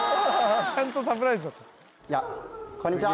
ちゃんとサプライズだいやこんにちは